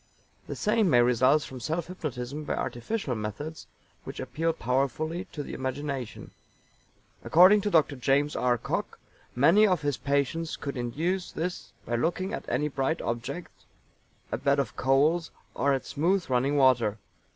The same may result from self hypnotism by artificial methods which appeal powerfully to the imagination. According to Dr. JAMES R. COCKE many of his patients could induce this by looking at any bright object, a bed of coals, or at smooth running water.